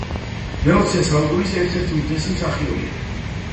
მეოცე საუკუნის ერთ-ერთი უდიდესი მსახიობი.